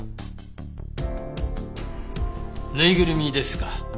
ぬいぐるみですか？